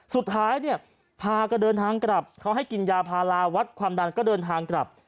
สุดท้ายเนี่ยพาก็เดินทางกลับเขาให้กินยาพาราวัดความดันก็เดินทางกลับ